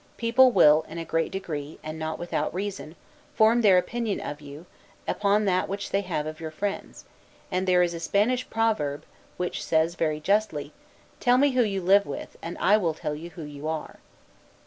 People will, in a great degree, and not without reason, form their opinion of you, upon that which they have of your friends; and there is a Spanish proverb, which says very justly, TELL ME WHO YOU LIVE WITH AND I WILL TELL YOU WHO YOU ARE.